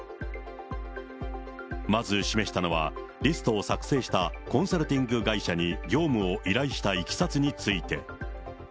まず示したのは、リストを作成したコンサルティング会社に業務を依頼したいきさつについて。